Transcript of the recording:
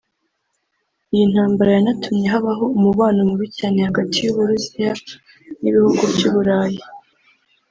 Iyi ntambara yanatumye habaho umubano mubi cyane hagati y’u Buruziya n’ibihugu by’u Burayi